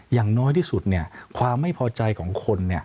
อย่างน้อยที่สุดความไม่พอใจของคน